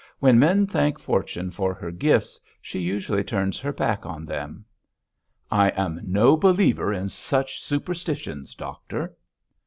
'When men thank fortune for her gifts she usually turns her back on them.' 'I am no believer in such superstitions, doctor.'